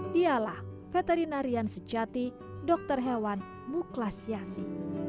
dialah veterinarian sejati dokter hewan muklas yasi